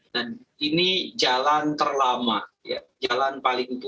dan ini jalan terlama jalan paling tua